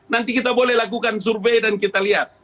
nanti kita boleh lakukan survei dan kita lihat